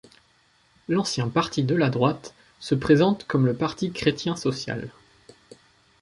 L’ancien Parti de la droite se présente comme le Parti chrétien-social.